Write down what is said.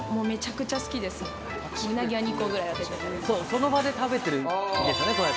その場で食べてるんですね。